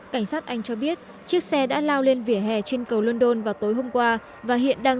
cảnh sát anh cho biết chiếc xe đã lao lên vỉa hè trên cầu london vào tối hôm qua và hiện đang